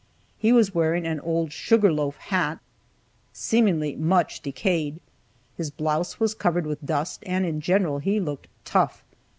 He was wearing an old "sugar loaf" hat, seemingly much decayed, his blouse was covered with dust, and, in general, he looked tough.